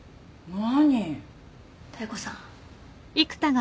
何？